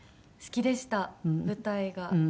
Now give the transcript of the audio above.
好きでした舞台が。